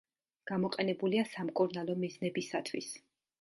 გამოყენებულია სამკურნალო მიზნებისათვის.